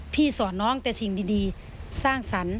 สอนน้องแต่สิ่งดีสร้างสรรค์